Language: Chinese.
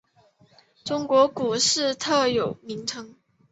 中国股市特有名称。